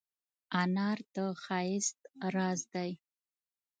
انار د ښایست راز دی.